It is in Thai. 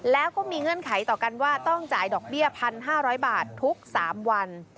แล้วก็มีเงื่อนไขต่อกันว่าต้องจ่ายดอกเบี้ย๑๕๐๐บาททุก๓วัน